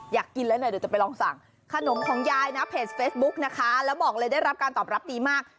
อยากกินแล้วหน่อยเดี๋ยวจะไปลองสั่งขนมของยายนะเพจเฟซบุ๊กนะคะแล้วบอกเลยได้รับการตอบรับดีมาก